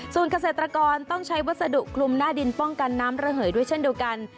ส่วนเกษตรกรต้องใช้วัสดุคลุมหน้าดินป้องกันน้ำระเหยด้วยเช่นเดียวกัน